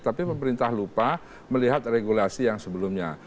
tapi pemerintah lupa melihat regulasi yang sebelumnya